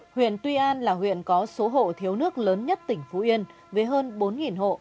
huyện tuy an là huyện có số hộ thiếu nước lớn nhất tỉnh phú yên với hơn bốn hộ